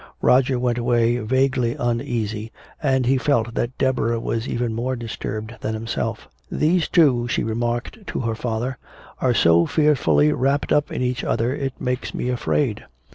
Roger went away vaguely uneasy, and he felt that Deborah was even more disturbed than himself. "Those two," she remarked to her father, "are so fearfully wrapt up in each other it makes me afraid.